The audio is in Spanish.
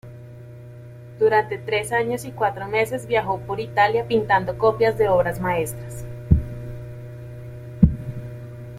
Durante tres años y cuatro meses viajó por Italia pintando copias de obras maestras.